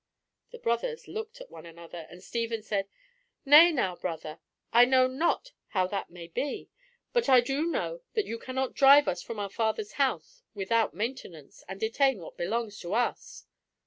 The brothers looked at one another, and Stephen said, "Nay, now, brother, I know not how that may be, but I do know that you cannot drive us from our father's house without maintenance, and detain what belongs to us."